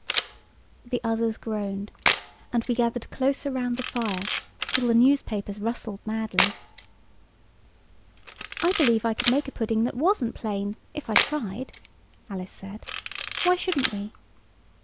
The others groaned, and we gathered closer round the fire till the newspapers rustled madly. "I believe I could make a pudding that wasn't plain, if I tried," Alice said. "Why shouldn't we?"